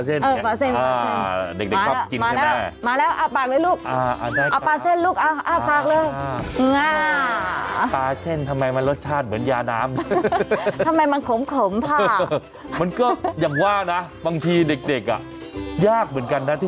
เออปลาเส้นนี่ไอ้